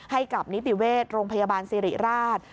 ให้กับนิติเวชโรงพยาบาลสิริราช